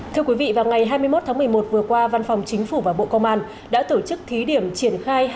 thưa quý vị vào ngày hai mươi một tháng một mươi một vừa qua văn phòng chính phủ và bộ công an đã tổ chức thí điểm triển khai